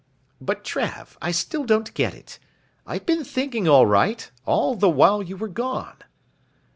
"But Trav, I still don't get it. I've been thinkin' all night, all the while you were gone...."